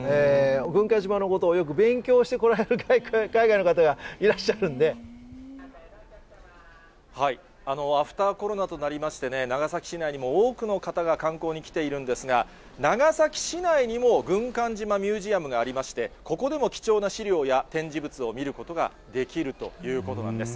軍艦島のことをよく勉強して来られるくらい、海外の方がいらっしアフターコロナとなりまして、長崎市内にも多くの方が観光に来ているんですが、長崎市内にも軍艦島ミュージアムがありまして、ここでも貴重な資料や展示物を見ることができるということなんです。